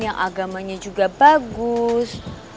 yang agamanya juga bagus